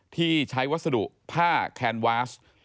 ที่ใช้วัสดุผ้าแคนวาส